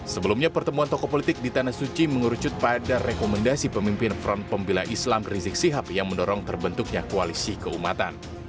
sebelumnya pertemuan tokoh politik di tanah suci mengerucut pada rekomendasi pemimpin front pembela islam rizik sihab yang mendorong terbentuknya koalisi keumatan